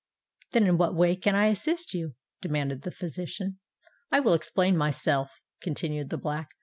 "Then in what way can I assist you?" demanded the physician. "I will explain myself," continued the Black.